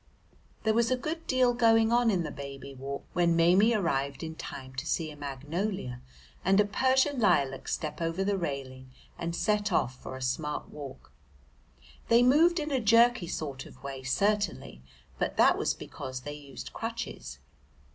There was a good deal going on in the Baby Walk, when Maimie arrived in time to see a magnolia and a Persian lilac step over the railing and set off for a smart walk. They moved in a jerky sort of way certainly, but that was because they used crutches.